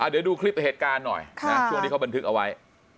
เดี๋ยวดูคลิปเหตุการณ์หน่อยช่วงที่เขาบันทึกเอาไว้